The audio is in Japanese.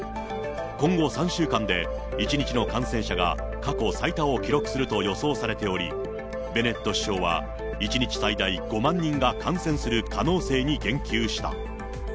今後３週間で１日の感染者が過去最多を記録すると予想されており、ベネット首相は、１日最大５万人が感染する可能性に言及した。